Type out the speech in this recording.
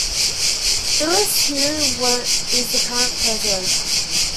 Ilyse Hogue is the current president.